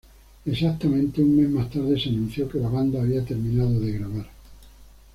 Exactamente un mes más tarde, se anunció que la banda había terminado de grabar.